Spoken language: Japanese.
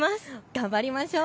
頑張りましょう。